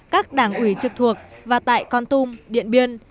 các đảng ủy trực thuộc và tại con tum điện biên